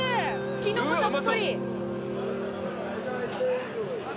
きのこたっぷり！